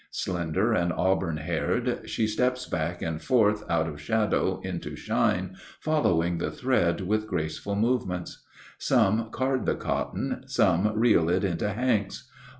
Slender and auburn haired, she steps back and forth out of shadow into shine following the thread with graceful movements. Some card the cotton, some reel it into hanks.